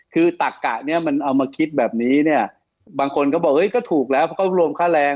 คือตักกะเนี่ยมันเอามาคิดแบบนี้เนี่ยบางคนก็บอกเฮ้ยก็ถูกแล้วเพราะเขารวมค่าแรง